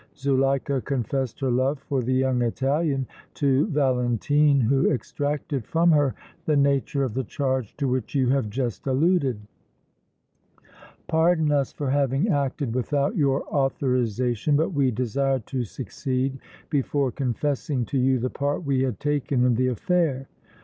Zuleika confessed her love for the young Italian to Valentine, who extracted from her the nature of the charge to which you have just alluded. Pardon us for having acted without your authorization, but we desired to succeed before confessing to you the part we had taken in the affair."